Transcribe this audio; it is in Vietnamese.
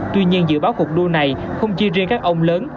tuy nhiên dự báo cuộc đua này không chỉ riêng các ông lớn